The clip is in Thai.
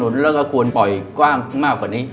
สนับสนุนแล้วก็ควรปล่อยกว้างมากกว่านี้